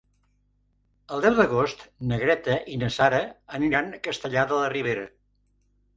El deu d'agost na Greta i na Sara aniran a Castellar de la Ribera.